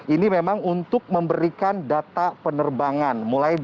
ini memang untuk memberikan data penerbangan